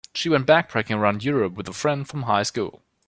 She went backpacking around Europe with a friend from high school.